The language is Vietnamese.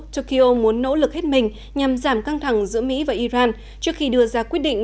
tokyo muốn nỗ lực hết mình nhằm giảm căng thẳng giữa mỹ và iran trước khi đưa ra quyết định